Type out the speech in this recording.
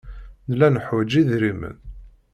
Nella neḥwaj idrimen.